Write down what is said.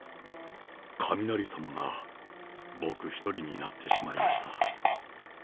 雷様が僕一人になってしまいました。